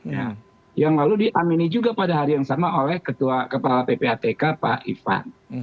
ya yang lalu diamini juga pada hari yang sama oleh kepala ppatk pak ivan